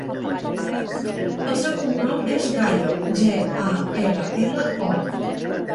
El seu cognom és Gallo: ge, a, ela, ela, o.